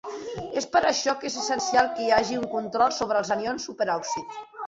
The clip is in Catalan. És per això que és essencial que hi hagi un control sobre els anions superòxid.